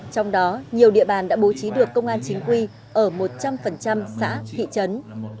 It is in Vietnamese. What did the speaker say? trong đó nhiều địa bàn đã bố trí được công an chính quy ở một trăm linh xã thị trấn